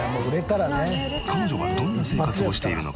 彼女はどんな生活をしているのか？